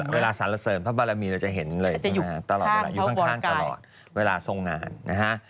เวลาสารเสริมพระบารมีเราจะเห็นเลยตลอดเวลาอยู่ข้างตลอดเวลาทรงงานนะฮะ